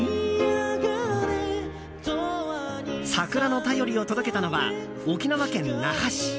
桜の便りを届けたのは沖縄県那覇市。